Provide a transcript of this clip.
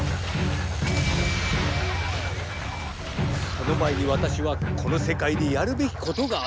その前にわたしはこのせかいでやるべきことがあるのだ。